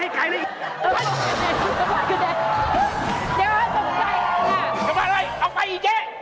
ทำอะไรเอาไฟอีกเจ๊